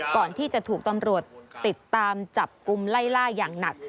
ก่อนที่จะถูกตำรวจติดตามจับกลุ่มไล่ล่าอย่างหนัก